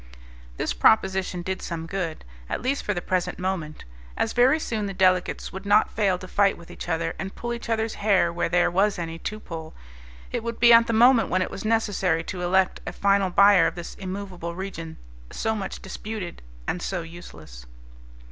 This proposition did some good, at least for the present moment. As very soon the delegates would not fail to fight with each other, and pull each other's hair where there was any to pull, it would be at the moment when it was necessary to elect a final buyer of this immovable region, so much disputed and so useless.